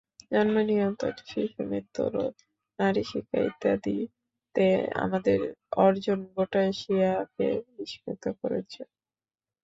জন্মনিয়ন্ত্রণ, শিশুমৃত্যু রোধ, নারী শিক্ষা ইত্যাদিতে আমাদের অর্জন গোটা এশিয়াকে বিস্মিত করেছে।